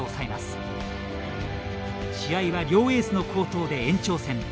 試合は両エースの好投で延長戦。